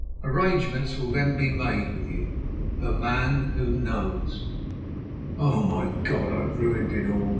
Arrangements will then be made with you. "THE MAN WHO KNOWS." "Oh, my God, I've ruined all!"